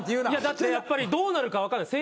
だってやっぱりどうなるか分からない。